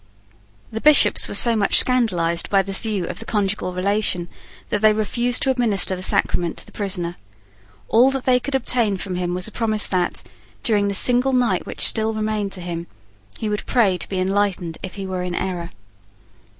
The Bishops were so much scandalised by this view of the conjugal relation that they refused to administer the sacrament to the prisoner. All that they could obtain from him was a promise that, during the single night which still remained to him, he would pray to be enlightened if he were in error.